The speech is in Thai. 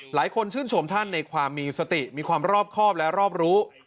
หลายคนชื่นชมท่านในความมีสติมีความรอบครอบและรอบรู้